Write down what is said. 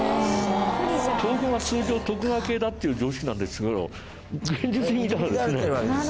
東軍は通常徳川系だっていう常識なんですけど現実的に見たらですね。